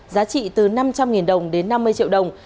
giá trị từ năm trăm linh đồng đến năm mươi triệu đồng